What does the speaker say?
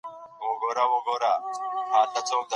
ګولۍ وخوره او بیا په کوچ باندې ارام وکړه.